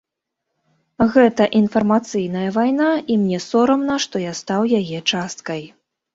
Гэта інфармацыйная вайна, і мне сорамна, што я стаў яе часткай.